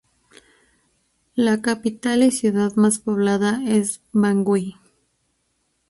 La capital y ciudad más poblada es Bangui.